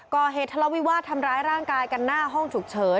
ก่อเหตุทะเลาวิวาสทำร้ายร่างกายกันหน้าห้องฉุกเฉิน